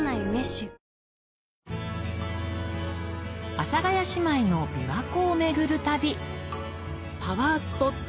阿佐ヶ谷姉妹の琵琶湖をめぐる旅パワースポット